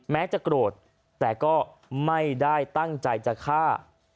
แม้จะโกรธแต่ก็ไม่ได้ตั้งใจจะฆ่า